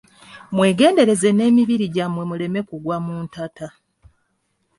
Mwegendereze nemibiri gy'amwe muleme kugwa mu ntata.